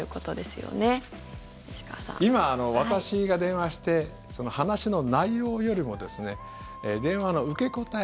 今、私が電話して話の内容よりも、電話の受け答え